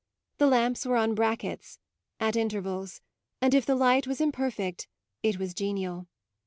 The lamps were on brackets, at intervals, and if the light was imperfect it was genial.